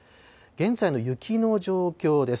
現在の雪の状況です。